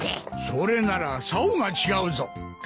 それならさおが違うぞ。